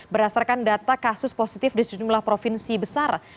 berdasarkan data kasus positif di sejumlah provinsi besar